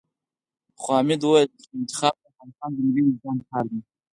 خو حامد ويل چې انتخاب د افغانستان د ملي وُجدان کار دی.